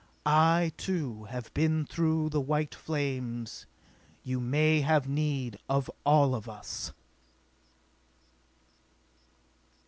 "I, too, have been through the white flames! You may have need of all of us!"